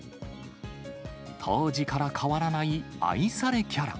当時から変わらない愛されキャラ。